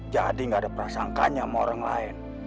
jadi gak ada perasangkanya sama orang lain